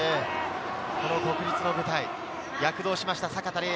この国立の舞台、躍動しました阪田澪哉。